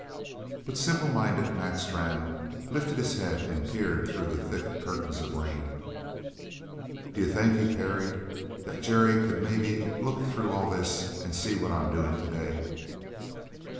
But simple minded Mac Strann lifted his head and peered through the thick curtains of rain. "D'you think," he parried, "that Jerry could maybe look through all this and see what I'm doin' to day?"